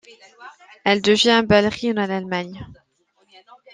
Elle devient ballerine en Allemagne.